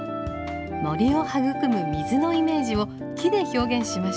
森を育む水のイメージを木で表現しました。